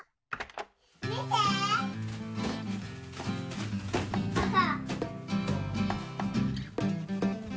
みてパパ！